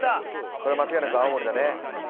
これは間違いなく青森だね。